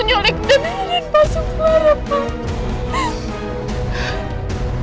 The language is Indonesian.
nyulik dan nyelin pasuk clara pak